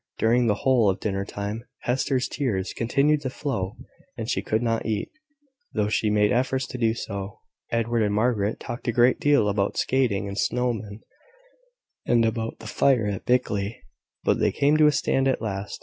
During the whole of dinner time, Hester's tears continued to flow; and she could not eat, though she made efforts to do so. Edward and Margaret talked a great deal about skating and snow men, and about the fire at Blickley; but they came to a stand at last.